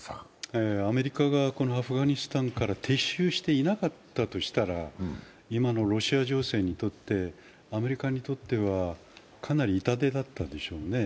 アメリカがアフガニスタンから撤収していなかったとしたら今のロシア情勢にとって、アメリカにとってはかなり痛手だったでしょうね。